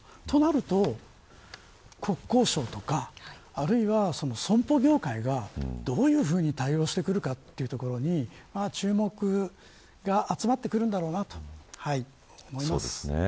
となると国交省とかあるいは損保業界がどういうふうに対応してくるか、というところに注目が集まってくるんだろうなと思います。